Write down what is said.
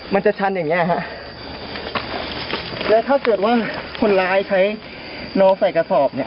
มันจะชันอย่างเงี้ยฮะและถ้าเกิดว่าคนร้ายใช้โน้ใส่กระสอบเนี่ย